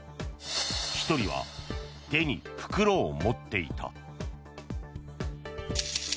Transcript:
１人は手に袋を持っていた。